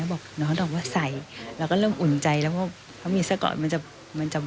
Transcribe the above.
ฮะบอกน้องเราเรียกว่าใส่